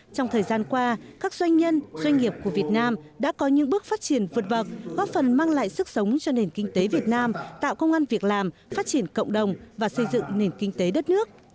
trong thời gian qua các doanh nhân doanh nghiệp của việt nam đã có những bước phát triển vượt bậc góp phần mang lại sức sống cho nền kinh tế việt nam tạo công an việc làm phát triển cộng đồng và xây dựng nền kinh tế đất nước